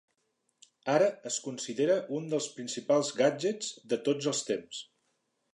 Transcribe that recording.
Ara es considera un dels principals gadgets de tots els temps.